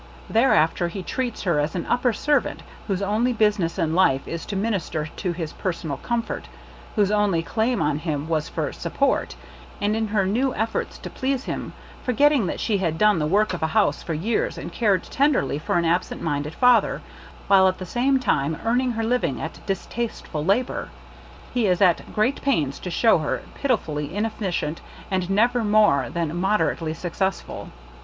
Thereafter he treats her as an upper servant, whose only business in life is to minister to his personal comfort — whose only claim on him was for "sup port ;" and in her new efforts to please him, forgetting that she had done the work of a house for years and cared tenderly for an absent minded father, while at the same time earning her living at distasteful labor, he is at great pains to show her pitifully inef ficient, and never more than moder ately successful.